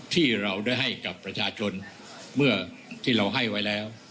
ที่เราได้ให้กับประชาชนเมื่อที่เราให้ไว้แล้ว